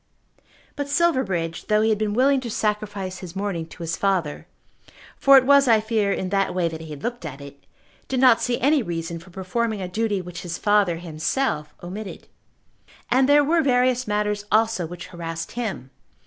But Silverbridge, though he had been willing to sacrifice his morning to his father, for it was, I fear, in that way that he had looked at it, did not see any reason for performing a duty which his father himself omitted. And there were various matters also which harassed him.